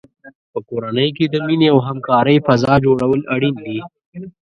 په کورنۍ کې د مینې او همکارۍ فضا جوړول اړین دي.